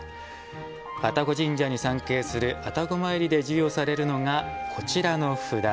愛宕神社に参詣する愛宕詣りで授与されるのがこちらの札。